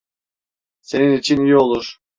Senin için iyi olur.